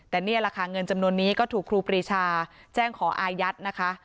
แต่นี่แหละค่ะเงินจำนวนนี้ก็ถูกครูปรีชาแจ้งขออายัดนะคะ